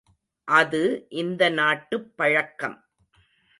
அது இந்த நாட்டுப் பழக்கம்.